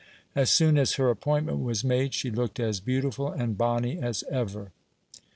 As soon as her appointment was made she looked as beautiful and bonny as ever."